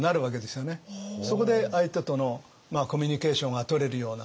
そこで相手とのコミュニケーションがとれるような。